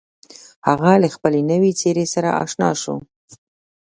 هغه له خپلې نوې څېرې سره اشنا شو.